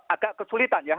agak kesulitan ya